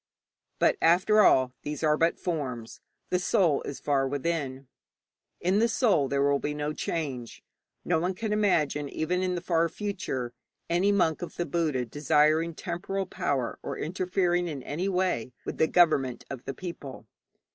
But, after all, these are but forms; the soul is far within. In the soul there will be no change. No one can imagine even in the far future any monk of the Buddha desiring temporal power or interfering in any way with the government of the people.